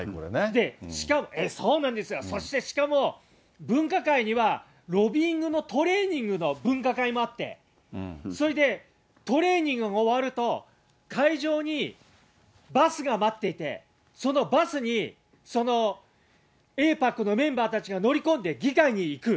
しかも、そうなんですよ、そしてしかも分科会にはロビーイングのトレーニングの分科会もあって、それでトレーニングが終わると、会場にバスが待っていて、そのバスにエイパックのメンバーたちが乗り込んで議会に行く。